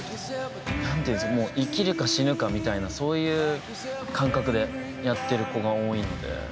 もう生きるか死ぬかみたいなそういう感覚でやってる子が多いので。